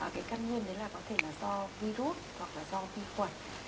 cái căn nguyên đấy là có thể là do virus hoặc là do vi khuẩn